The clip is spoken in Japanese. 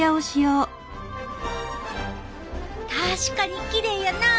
確かにきれいやな。